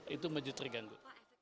itu menjadi terganggu